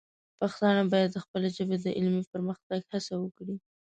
پښتانه باید د خپلې ژبې د علمي پرمختګ هڅه وکړي.